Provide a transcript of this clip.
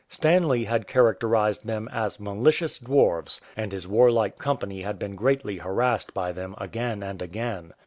Stanley had characterized them as " malicious dwarfs," and his warlike company had been greatly harassed by them again and again.